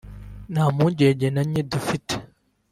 nta mpungenge na nke dufite